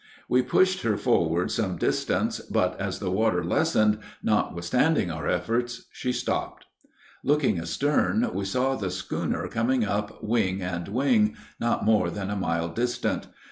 We pushed her forward some distance, but as the water lessened, notwithstanding our efforts, she stopped. Looking astern, we saw the schooner coming up wing and wing, not more than a mile distant.